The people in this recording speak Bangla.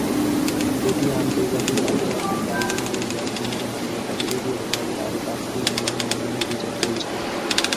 দুটি আন্তর্জাতিক অপরাধ ট্রাইব্যুনালে বর্তমানে মানবতাবিরোধী অপরাধের আরও পাঁচটি মামলায় নয়জনের বিচার চলছে।